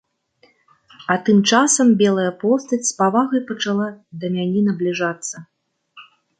А тым часам белая постаць з павагай пачала да мяне набліжацца.